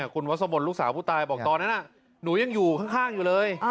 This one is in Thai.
คุณวัสบนลูกสาวผู้ตายบอกตอนนั้นหนูยังอยู่ข้างอยู่เลย